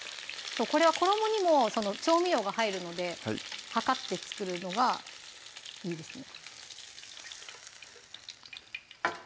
これは衣にも調味料が入るので量って作るのがいいですね